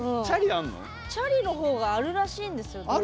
チャリの方があるらしいんですよ